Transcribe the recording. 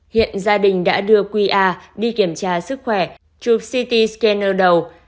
hiện gia đình đã đưa qr đi kiểm tra sức khỏe chụp ct scanner đầu